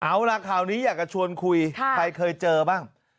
เอาล่ะข่าวนี้อยากจะชวนคุยใครเคยเจอบ้าง